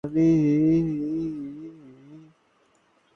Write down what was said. মাত্র চার কোটি টাকার বাজেটে এই মুভিটি তার প্রমাণ।